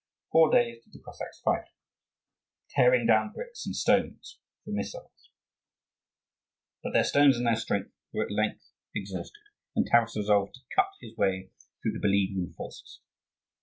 Four days did the Cossacks fight, tearing down bricks and stones for missiles. But their stones and their strength were at length exhausted, and Taras resolved to cut his way through the beleaguering forces.